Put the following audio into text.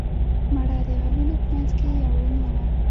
مړه د غمونو په منځ کې یو رڼا وه